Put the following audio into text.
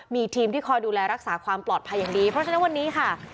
มีทีมที่คอยดูแลรักษาความปลอดภัยอย่างดีเพราะฉะนั้นวันนี้ค่ะ